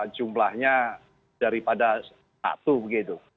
jumlahnya daripada satu begitu